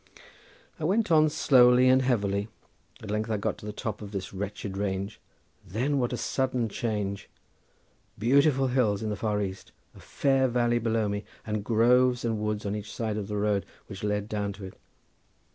I went on slowly and heavily; at length I got to the top of this wretched range—then what a sudden change! Beautiful hills in the far east, a fair valley below me, and groves and woods on each side of the road which led down to it.